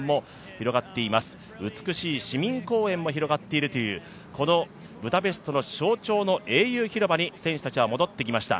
広がっています、美しい市民公園も広がっているというこのブダペストの象徴の英雄広場に選手たちは戻ってきました。